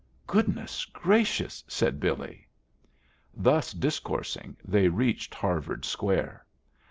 "Goodness gracious!" said Billy. Thus discoursing, they reached Harvard Square.